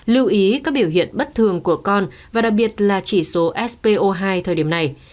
lưu ý các biểu hiện bất thường của con và đặc biệt là chỉ số spo hai thời điểm này